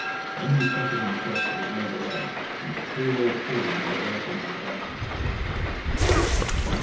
Then he suffered himself to be led away, and the two old children went off into the darkness.